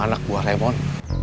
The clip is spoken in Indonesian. anak buah lemon